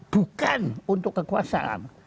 bukan untuk kekuasaan